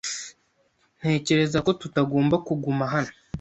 Ntekereza ko tutagomba kuguma hano.